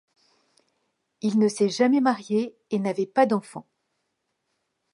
Il ne s'est jamais marié et n'avait pas d'enfants.